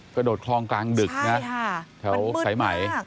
กระโดดคลองกลางดึกนะแถวไขมัย